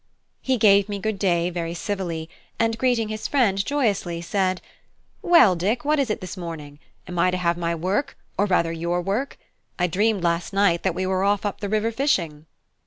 He gave me good day very civilly, and greeting his friend joyously, said: "Well, Dick, what is it this morning? Am I to have my work, or rather your work? I dreamed last night that we were off up the river fishing."